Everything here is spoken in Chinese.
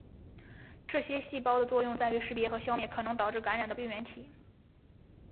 这些细胞的作用在于识别和消灭可能导致感染的病原体。